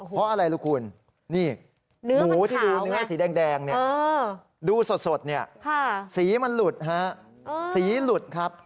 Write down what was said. เพราะอะไรล่ะคุณนี่หมูที่ดูเนื้อสีแดงดูสดสีมันหลุดครับ